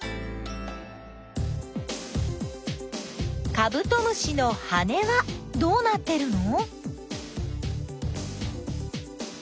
カブトムシの羽はどうなってるの？